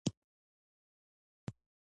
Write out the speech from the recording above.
جانداد د بر کلي ژرندګړی ميلمه کړی و.